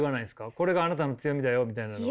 これがあなたの強みだよみたいなのは。